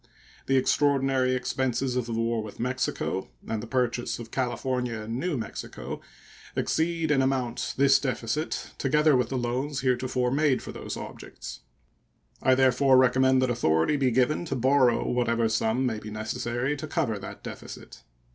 The extraordinary expenses of the war with Mexico and the purchase of California and New Mexico exceed in amount this deficit, together with the loans heretofore made for those objects. I therefore recommend that authority be given to borrow what ever sum may be necessary to cover that deficit.